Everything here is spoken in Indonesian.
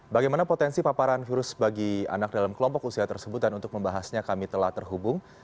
bagaimana potensi paparan virus bagi anak dalam kelompok usia tersebut dan untuk membahasnya kami telah terhubung